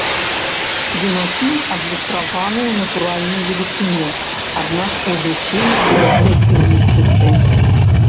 Юнакі адлюстраваны ў натуральную велічыню, аднак у зусім рознай стылістыцы.